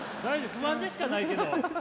不安でしかないけど。